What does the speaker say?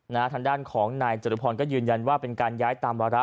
ทางด้านของนายจตุพรก็ยืนยันว่าเป็นการย้ายตามวาระ